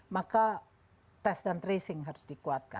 maka tes dan tracing harus dikuatkan